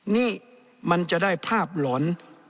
นี่มันจะได้ภาพหลอน